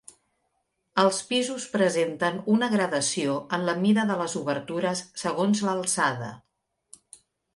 Els pisos presenten una gradació en la mida de les obertures segons l'alçada.